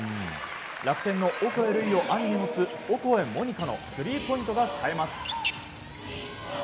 楽天のオコエ瑠偉を兄に持つオコエ桃仁花のスリーポイントが冴えます。